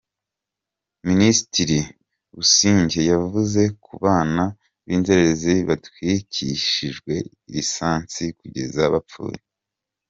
Minisitiri Busingye yavuze ku bana b’inzererezi batwikishijwe lisansi kugeza bapfuye.